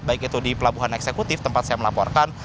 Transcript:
baik itu di pelabuhan eksekutif tempat saya melaporkan